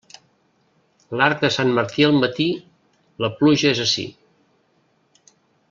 L'arc de Sant Martí al matí, la pluja és ací.